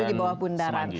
dulu di bawah bundaran